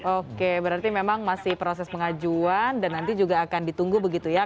oke berarti memang masih proses pengajuan dan nanti juga akan ditunggu begitu ya